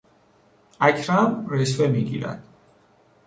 اکرم رشوه میگیرد.